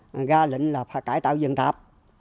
mình ra lệnh là phải cải tạo dường tạp